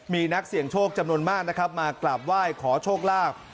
มีนักเสี่ยงโชคจำนวนมากนะครับมากราบไหว้ขอโชคลาภ